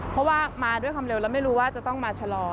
เพราะว่ามาด้วยความเร็วแล้วไม่รู้ว่าจะต้องมาชะลอ